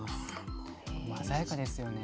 鮮やかですよね。